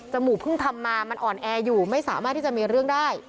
มูกเพิ่งทำมามันอ่อนแออยู่ไม่สามารถที่จะมีเรื่องได้